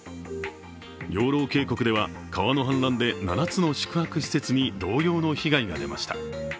養老渓谷では川の氾濫で７つの宿泊施設に同様の被害が出ました。